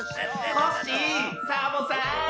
コッシーサボさん！